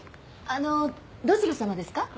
あのどちら様ですか？